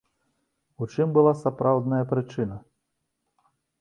У чым была сапраўдная прычына?